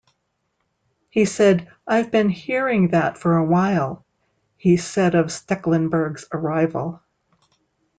He said, "I've been hearing that for a while," he said of Stekelenburg's arrival.